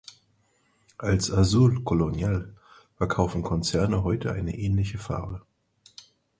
Als „azul colonial“ verkaufen Konzerne heute eine ähnliche Farbe.